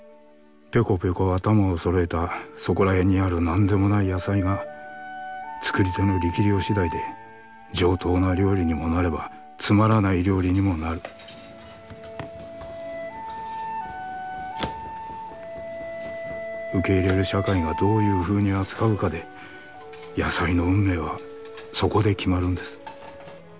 ぴょこぴょこ頭を揃えたそこらへんにある何でもない野菜が作り手の力量次第で上等な料理にもなればつまらない料理にもなる受け入れる社会がどういうふうに扱うかで野菜の運命はそこで決まるんです。